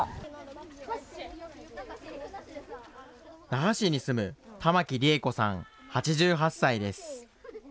那覇市に住む玉木利枝子さん８８歳です。